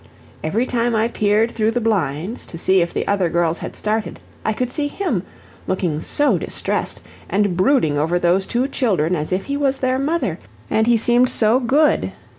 Every time I peered through the blinds to see if the other girls had started, I could see HIM, looking so distressed, and brooding over those two children as if he was their mother, and he seemed so good.